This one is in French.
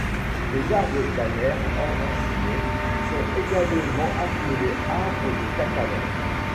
Les arbres planaires enracinés sont également appelés arbres de Catalan.